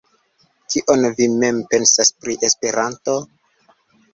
Kion vi mem pensas pri Esperanto?